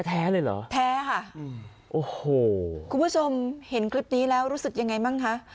แท้เลยเหรอแท้ค่ะโอ้โหคุณผู้ชมเห็นคลิปนี้แล้วรู้สึกยังไงบ้างคะ